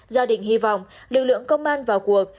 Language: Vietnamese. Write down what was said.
gia đình hy vọng lực lượng công an vào cuộc